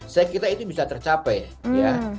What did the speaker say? saya kira itu bisa tercapai ya